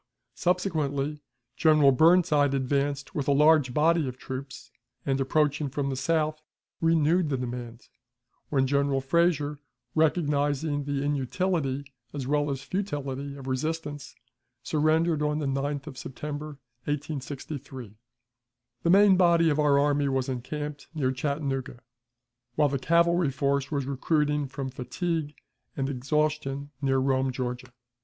Subsequently, General Burnside advanced with a large body of troops, and, approaching from the south, renewed the demand, when General Frazier, recognizing the inutility as well as futility of resistance, surrendered on the 9th of September, 1863. The main body of our army was encamped near Chattanooga, while the cavalry force was recruiting from fatigue and exhaustion near Rome, Georgia.